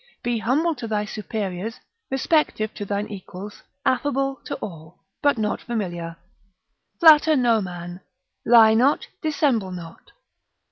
Be humble to thy superiors, respective to thine equals, affable to all, but not familiar. Flatter no man. Lie not, dissemble not.